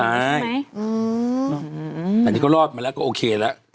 อันนี้ก็รอดมาแล้วก็โอเคแล้ว